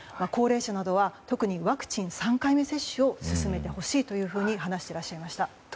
高齢者などは特にワクチン３回目接種を進めてほしいと話していらっしゃいました。